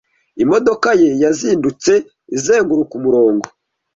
Imodoka ye yazindutse izenguruka umurongo.